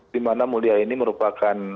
di mana mulia ini merupakan ibu kotor